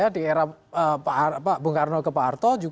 di era bung karno ke pak harto